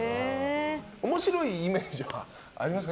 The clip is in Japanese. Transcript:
面白いイメージはありますか？